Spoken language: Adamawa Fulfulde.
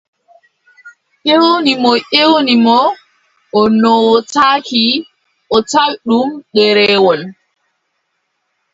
Ƴewni mo ƴewni mo, o nootaaki, o tawi ɗum ɗereewol.